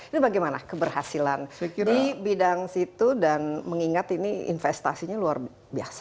ini bagaimana keberhasilan di bidang situ dan mengingat ini investasinya luar biasa